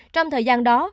trong thời gian đó